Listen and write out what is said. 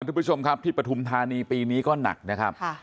ทุกผู้ชมครับที่ปฐุมธานีปีนี้ก็หนักนะครับ